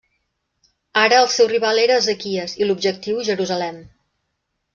Ara el seu rival era Ezequies i l'objectiu Jerusalem.